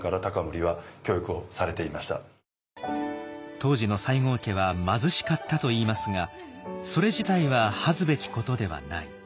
当時の西郷家は貧しかったといいますがそれ自体は恥ずべきことではない。